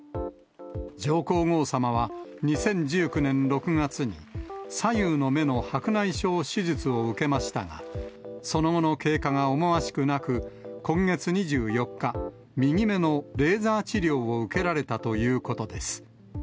上皇后さまは、２０１９年６月に、左右の目の白内障手術を受けましたが、その後の経過が思わしくなく、今月２４日、右目のレーザー治療を受けられたということです。